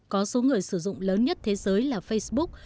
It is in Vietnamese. có số người sử dụng lớn nhất thế giới là facebook